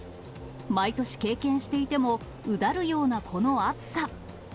毎年経験していても、うだるようなこの暑さ。